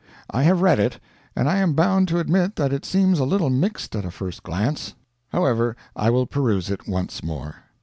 I have read it, and I am bound to admit that it seems a little mixed at a first glance. However, I will peruse it once more.